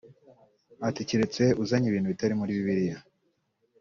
Ati “Keretse uzanye ibintu bitari muri bibiliya